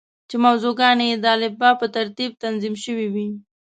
چې موضوع ګانې یې د الفبا په ترتیب تنظیم شوې وې.